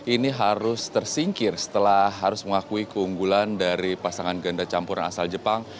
ini harus tersingkir setelah harus mengakui keunggulan dari pasangan ganda campuran asal jepang